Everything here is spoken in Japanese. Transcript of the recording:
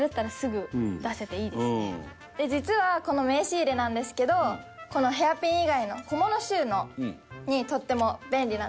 実はこの名刺入れなんですけどこのヘアピン以外の小物収納にとっても便利なんです。